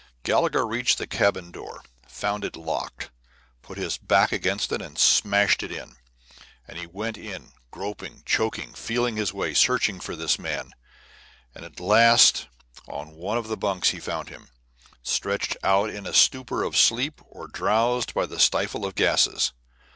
Gallagher reached the cabin door, found it locked, put his back against it and smashed it in. Then he went on, groping, choking, feeling his way, searching for his man. And at last on one of the bunks he found him, stretched out in a stupor of sleep or drowsed by the stifle of gases.